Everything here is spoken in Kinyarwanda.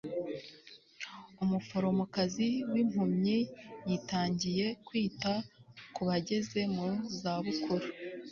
umuforomokazi w'impumyi yitangiye kwita ku bageze mu za bukuru